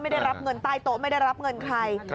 ไม่ได้รับเงินใต้โต๊ะไม่ได้รับเงินใคร